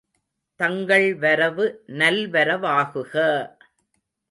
தங்கள் வரவு நல்வரவாகுக!